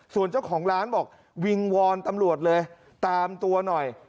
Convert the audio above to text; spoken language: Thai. ส่วนเจ้าของร้านบอกวิงวอนตำรวจเลยตามตัวหน่อย